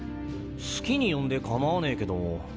好きに呼んで構わねえけど。